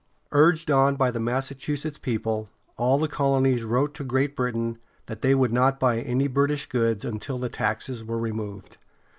Urged on by the Massachusetts people, all the colonies wrote to Great Britain that they would not buy any British goods until the taxes were removed.